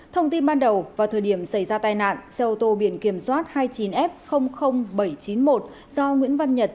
thông tin ban đầu vào thời điểm xảy ra tai nạn xe ô tô biển kiểm soát hai mươi chín f bảy trăm chín mươi một do nguyễn văn nhật